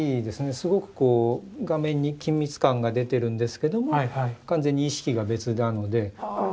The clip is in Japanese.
すごくこう画面に緊密感が出てるんですけども完全に意識が別なので。